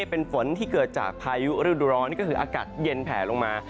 เป็นฝนที่เกิดจากพายุฤดูร้อนนี่ก็คืออากาศเย็นแผลลงมา